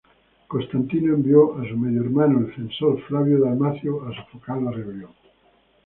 Constantino envió a su medio-hermano, el Censor Flavio Dalmacio, a sofocar la rebelión.